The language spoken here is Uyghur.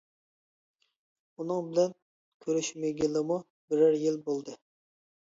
ئۇنىڭ بىلەن كۆرۈشمىگىلىمۇ بىرەر يىل بولدى.